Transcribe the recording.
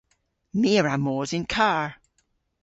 My a wra mos yn karr.